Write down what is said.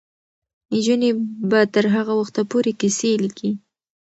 نجونې به تر هغه وخته پورې کیسې لیکي.